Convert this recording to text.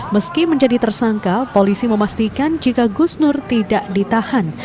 meski menjadi tersangka polisi memastikan jika gusnur tidak ditahan